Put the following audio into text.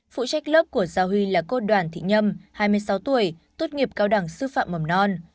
phụ trách lớp của gia huy là cô đoàn thị nhâm hai mươi sáu tuổi tốt nghiệp cao đẳng sư phạm mầm non